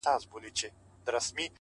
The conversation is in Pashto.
نه پاته کيږي. ستا د حُسن د شراب. وخت ته.